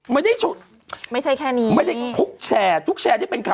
ไม่ได้ไม่ใช่แค่นี้ไม่ได้คุกแชร์ทุกแชร์ที่เป็นข่าว